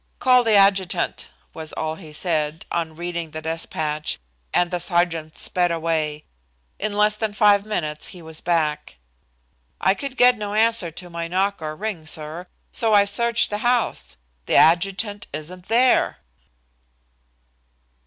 "Call the adjutant," was all he said, on reading the despatch, and the sergeant sped away. In less than five minutes he was back. "I could get no answer to my knock or ring, sir, so I searched the house. The adjutant isn't there!"